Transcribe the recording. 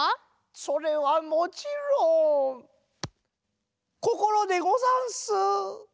それはもちろん心でござんす。